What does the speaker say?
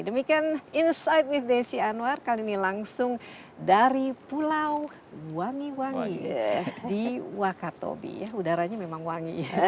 demikian insight with desi anwar kali ini langsung dari pulau wangi wangi di wakatobi ya udaranya memang wangi